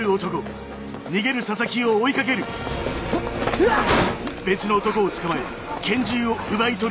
うわっ！